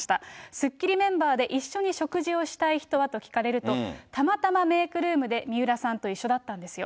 スッキリメンバーで一緒に食事をしたい人はと聞かれると、たまたまメークルームで水卜さんと一緒だったんですよ。